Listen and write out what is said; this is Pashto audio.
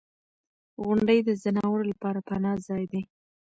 • غونډۍ د ځناورو لپاره پناه ځای دی.